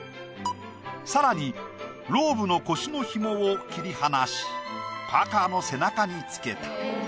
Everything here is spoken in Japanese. さらにローブの腰のヒモを切り離しパーカーの背中に付けた。